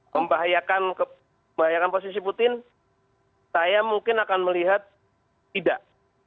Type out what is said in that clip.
membahayakan posisi putin saya mungkin akan melihat tidak